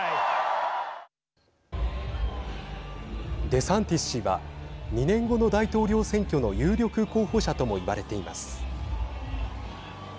デサンティス氏は２年後の大統領選挙の有力候補者とも言われています。